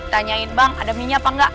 tanyain bang ada minyak apa enggak